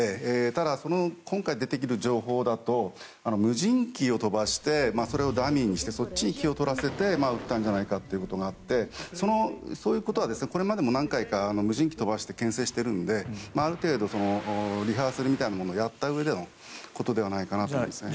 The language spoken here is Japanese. ただ、今回出てきた情報だと無人機を飛ばしてそれをダミーにしてそっちに気を取らせて撃ったんじゃないかということがあってそういうことはこれまでも何回か無人機を飛ばして牽制しているのである程度リハーサルみたいなものをやったうえでのことではないかなと思うんですね。